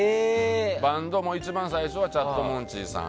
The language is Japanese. バンドも一番最初はチャットモンチーさん。